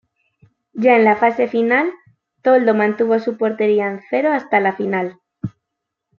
Ya en la fase final, Toldo mantuvo su portería en cero hasta la final.